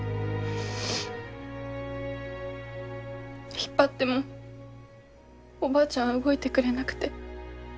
引っ張ってもおばあちゃんは動いてくれなくて。